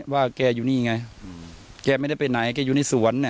ว่าแกอยู่นี่ไงแกไม่ได้ไปไหนแกอยู่ในสวน